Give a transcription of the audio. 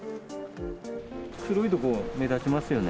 黒いところ目立ちますよね。